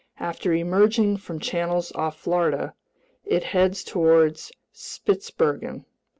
After emerging from channels off Florida, it heads toward Spitzbergen.